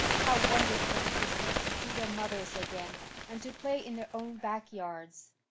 How wonderful it would be to see their mothers again, and to play in their own back yards.